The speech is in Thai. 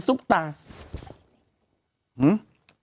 ซุปตาหื้ม